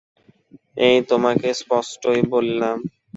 এই তোমাকে স্পষ্টই বলিলাম।